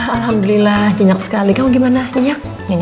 alhamdulillah nyenyak sekali kamu gimana nyenyak